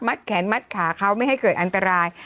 แขนมัดขาเขาไม่ให้เกิดอันตราย